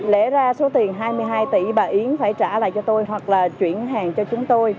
lẽ ra số tiền hai mươi hai tỷ bà yến phải trả lại cho tôi hoặc là chuyển hàng cho chúng tôi